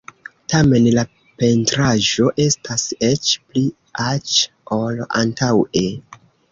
Tamen la pentraĵo estas eĉ pli aĉa ol antaŭe.